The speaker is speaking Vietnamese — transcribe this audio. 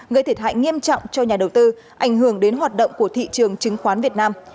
gây thiệt hại nghiêm trọng cho nhà đầu tư ảnh hưởng đến hoạt động của thị trường chứng khoán việt nam